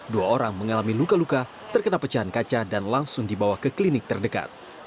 dua orang mengalami luka luka terkena pecahan kaca dan langsung dibawa ke klinik terdekat